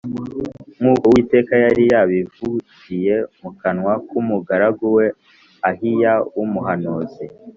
nk’uko Uwiteka yari yabivugiye mu kanwa k’umugaragu we Ahiya w’umuhanuzi